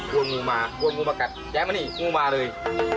กลัวงูมากลัวงูมากัดแย้มมานี่งูมาเลย